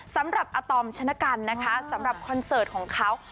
สำหรับอาตอมชนะกันนะคะสำหรับคอนเสิร์ตของเขา